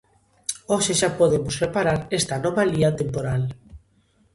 Hoxe xa podemos reparar esta anomalía temporal.